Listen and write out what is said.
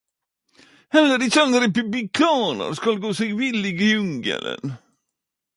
Heller ikkje ein republikanar skal gå seg vill i jungelen.